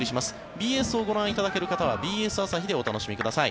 ＢＳをご覧いただける方はＢＳ朝日でご覧ください。